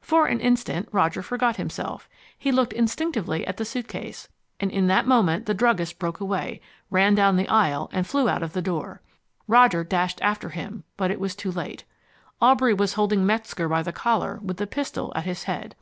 For an instant Roger forgot himself. He looked instinctively at the suitcase, and in that moment the druggist broke away, ran down the aisle, and flew out of the door. Roger dashed after him, but was too late. Aubrey was holding Metzger by the collar with the pistol at his head.